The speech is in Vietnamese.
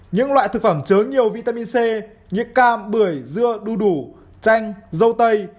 những loại thực phẩm chứa nhiều vitamin c như cam bưởi dưa đu đủ chanh dâu tây